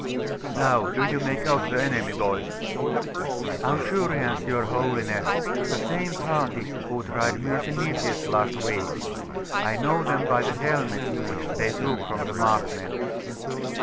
Now do you make out the enemy, boys?' 'Ausurians, your Holiness. The same party who tried Myrsinitis last week. I know them by the helmets which they took from the Markmen.